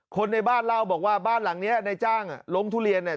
คนในบ้านเล่าบอกว่าบ้านหลังเนี้ยในจ้างลงทุเรียนเนี่ย